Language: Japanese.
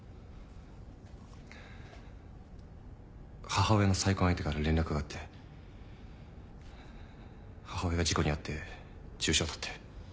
母親の再婚相手から連絡があって母親が事故に遭って重傷だって。